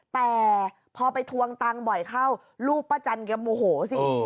แต่พอไปทวงตังค์บ่อยเข้าลูกป้าจันแกโมโหสิ